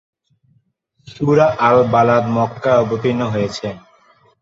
সূরা আল-বালাদ মক্কায় অবতীর্ণ হয়েছে।